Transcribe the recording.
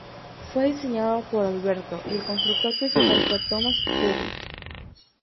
Fue diseñado por Alberto, y el constructor principal fue Thomas Cubitt.